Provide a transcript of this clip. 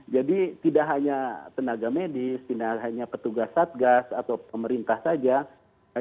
jadi tidak hanya tenaga medis tidak hanya petugas satgas atau pemerintah saja